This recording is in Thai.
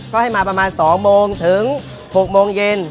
ก็ให้มาประมาณ๒โมงถึง๖โมงเย็น